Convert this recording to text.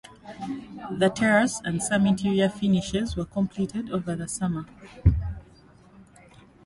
The terrace and some interior finishes were completed over the summer.